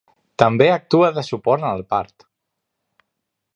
També actua de suport en el part.